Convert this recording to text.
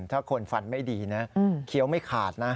ถ้าคนฟันไม่ดีนะเคี้ยวไม่ขาดนะ